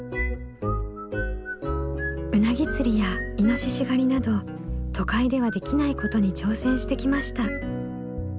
ウナギ釣りやイノシシ狩りなど都会ではできないことに挑戦してきました。